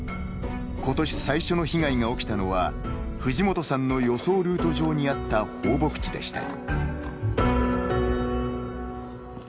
ことし、最初の被害が起きたのは藤本さんの予想ルート上にあった放牧地でした。